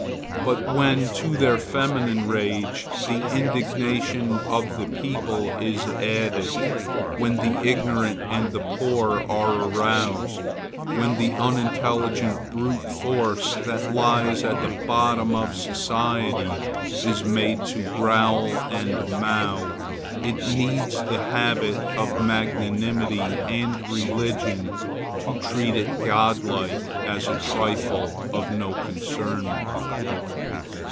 But when to their feminine rage the indignation of the people is added, when the ignorant and the poor are aroused, when the unintelligent brute force that lies at the bottom of society is made to growl and mow, it needs the habit of magnanimity and religion to treat it godlike as a trifle of no concernment.